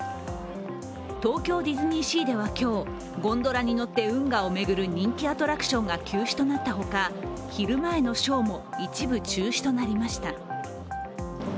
東京ディズニーシーでは今日ゴンドラに乗って運河を巡る人気アトラクションが休止となったほか、昼前のショーも一部中止となりました。